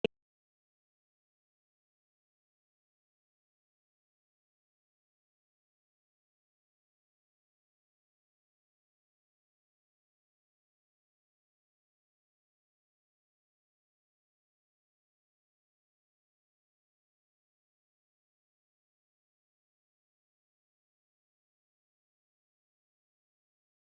พบกับโดยคนละครับ